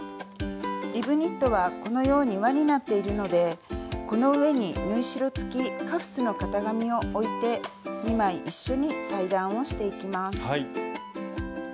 リブニットはこのように輪になっているのでこの上に縫い代つきカフスの型紙を置いて２枚一緒に裁断をしていきます。